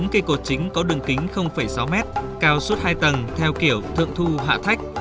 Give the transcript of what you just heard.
bốn cây cột chính có đường kính sáu m cao suốt hai tầng theo kiểu thượng thu hạ thách